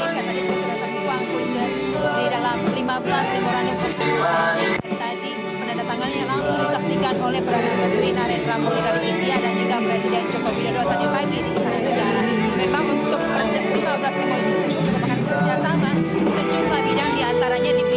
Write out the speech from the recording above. selamat sore bu ujjah memang untuk kerjasama ekonomi bertambah di antara india dan indonesia